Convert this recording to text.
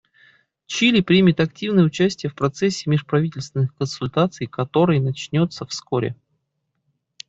Чили примет активное участие в процессе межправительственных консультаций, который начнется вскоре.